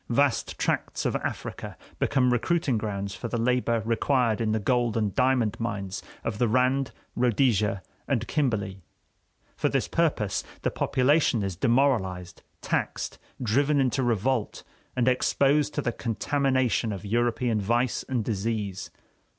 Vast tracts of Africa become recruiting grounds for the labor required in the gold and diamond mines of the Rand, Rhodesia, and Kimberley; for this purpose, the population is demoralized, taxed, driven into revolt, and exposed to the contamination of European vice and disease.